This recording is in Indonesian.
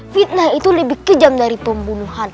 fitnah itu lebih kejam dari pembunuhan